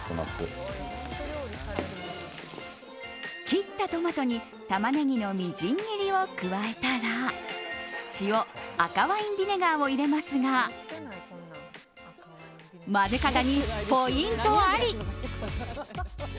切ったトマトにタマネギのみじん切りを加えたら塩、赤ワインビネガーを入れますが混ぜ方にポイントあり。